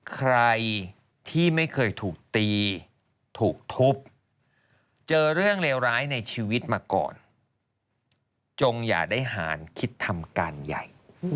ใครที่ไม่เคยถูกตีถูกทุบเจอเรื่องเลวร้ายในชีวิตมาก่อนจงอย่าได้หารคิดทำการใหญ่